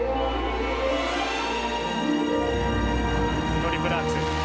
トリプルアクセル。